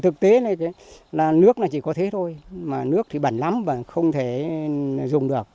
thực tế là nước chỉ có thế thôi nước thì bẩn lắm và không thể dùng được